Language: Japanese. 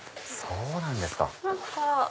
そうなんですか。